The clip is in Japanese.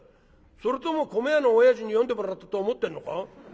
それとも米屋のおやじに読んでもらったと思ってんのか？」。